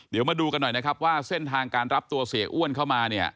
เดี๋ยวมาดูกันหน่อยนะครับว่าเส้นทางการรับตัวเสียอ้วนเข้ามาเนี่ย